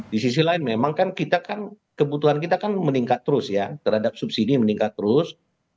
di sisi lain memang kan kita kan kebutuhan kita kan meningkat terus ya terhadap subsidi meningkat terus